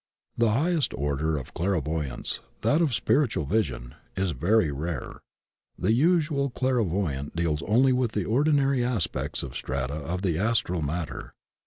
The highest order of clairvoyance — ^that of spiritual vision — ^is very rare. The usual clairvoyant deals only with the ordinary aspects and strata of the Astral mat ter.